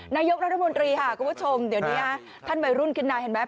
นายกรัฐมนตรีค่ะคุณผู้ชมเดี๋ยวนี้ท่านวัยรุ่นขึ้นมาเห็นไหม